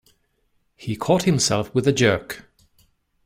He caught himself with a jerk.